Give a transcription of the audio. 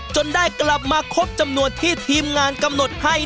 จนได้กลับมาครบจำนวนที่ทีมงานกำหนดให้